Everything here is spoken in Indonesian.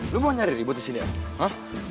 lu mau nyari ribut di sini ya